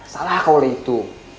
salah kalau itu